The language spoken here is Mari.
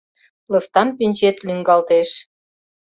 Лыстан пӱнчет лӱҥгалтеш.